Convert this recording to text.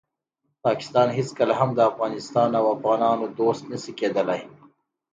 پاکستان هیڅکله هم د افغانستان او افغانانو دوست نشي کیدالی.